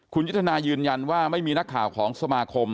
คุณยุทธนายืนยันว่าไม่มีนักข่าวของสมาคม